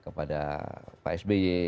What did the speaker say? kepada pak sby